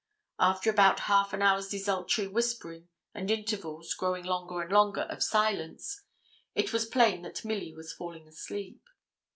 After about half an hour's desultory whispering, and intervals, growing longer and longer, of silence, it was plain that Milly was falling asleep.